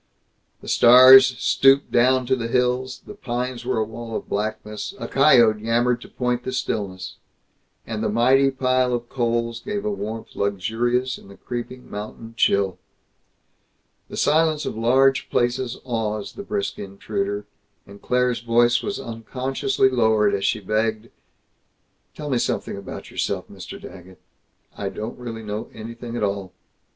The stars stooped down to the hills; the pines were a wall of blackness; a coyote yammered to point the stillness; and the mighty pile of coals gave a warmth luxurious in the creeping mountain chill. The silence of large places awes the brisk intruder, and Claire's voice was unconsciously lowered as she begged, "Tell me something about yourself, Mr. Daggett. I don't really know anything at all."